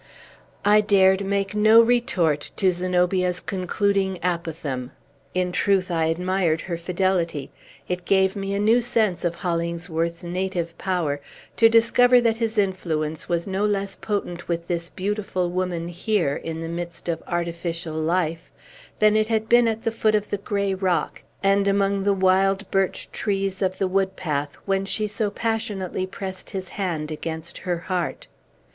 I dared make no retort to Zenobia's concluding apothegm. In truth, I admired her fidelity. It gave me a new sense of Hollingsworth's native power, to discover that his influence was no less potent with this beautiful woman here, in the midst of artificial life, than it had been at the foot of the gray rock, and among the wild birch trees of the wood path, when she so passionately pressed his hand against her heart.